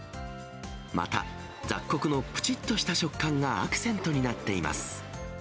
また、雑穀のぷちっとした食感がアクセントになっています。